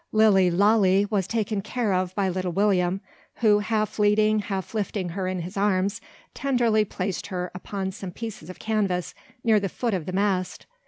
Lilly Lalee was taken care of by little William; who, half leading, half lifting her in his arms, tenderly placed her upon some pieces of canvas near the foot of the mast.